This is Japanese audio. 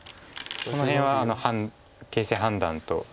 その辺は形勢判断と相談して。